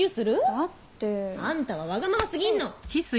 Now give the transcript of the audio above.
だって。あんたはわがまま過ぎんの！